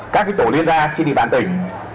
các cái tổ liên gia trên địa bàn tỉnh